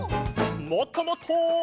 もっともっと！